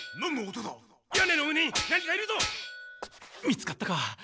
見つかったか。